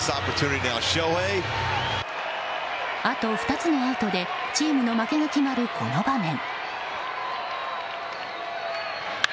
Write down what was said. あと２つのアウトでチームの負けが決まるこの場面。